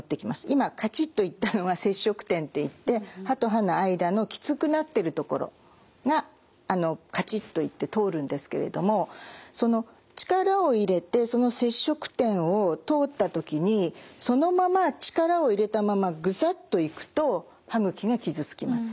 今カチッといったのは接触点っていって歯と歯の間のきつくなってる所がカチッといって通るんですけれども力を入れてその接触点を通った時にそのまま力を入れたままグサッといくと歯ぐきが傷つきます。